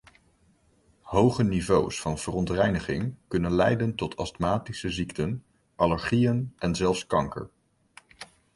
Hoge niveaus van verontreiniging kunnen leiden tot astmatische ziekten, allergieën en zelfs kanker.